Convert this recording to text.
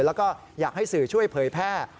แล้วก็อยากให้สื่อช่วยเผยแพร่